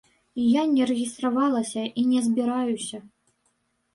І я не рэгістравалася і не збіраюся.